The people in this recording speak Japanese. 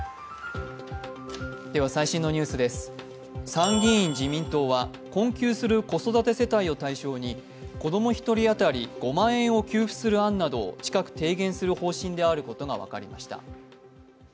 参議院自民党は困窮する子育て世帯を対象に子供１人当たり５万円を給付する案などを近く、提言する方針であることが分かりました。